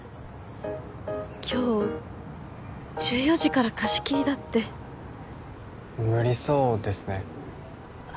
今日１４時から貸し切りだって無理そうですね